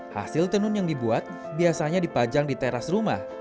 hasil tenun yang dibuat biasanya dipajang di teras rumah